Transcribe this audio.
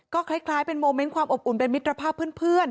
ก็คล้ายเป็นโมเมนต์ความอบอุ่นเป็นมิตรภาพเพื่อน